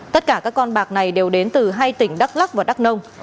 tất cả các con bạc này đều đến từ hai tỉnh đắk lắc và đắk nông